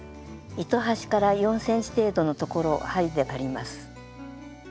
糸端から４ｃｍ程度のところを針で割ります。